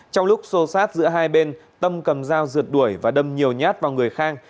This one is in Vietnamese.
trong lúc xô sát giữa hai bên tâm cầm dao rượt đuổi và đâm nhiều nhát vào người khang